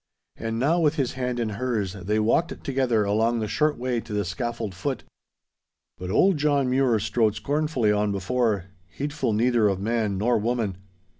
And now with his hand in hers, they walked together along the short way to the scaffold foot; but old John Mure strode scornfully on before, heedful neither of man nor woman.